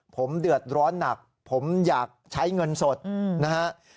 ผมเดือดร้อนหนักผมอยากใช้เงินสดนะฮะ